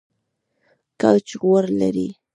کوچ غوړ لري